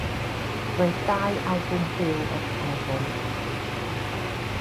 Roedd dau albwm byw o'r cyfnod hwn.